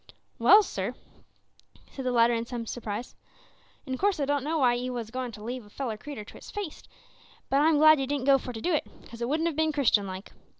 "Well, sir," said the latter in some surprise, "in course I don't know why you wos a goin' to leave a feller creetur to his fate, but I'm glad you didn't go for to do it, 'cos it wouldn't have bin Christian like.